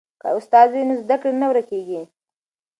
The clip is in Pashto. که استاد وي نو زده کړه نه ورکیږي.